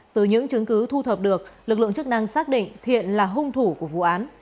từ những chứng cứ thu thập được lực lượng chức năng xác định thiện là hung thủ của vụ án